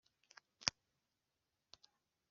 umututsi ari umwimukira